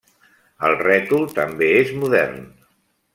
El rètol també és modern.